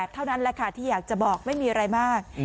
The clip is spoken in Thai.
เท่านั้นแหละค่ะที่อยากจะบอกไม่มีอะไรมาก